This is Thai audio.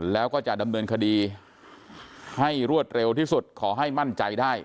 แล้วก็จะดำเนินคดีให้รวดเร็วที่สุดขอให้มั่นใจได้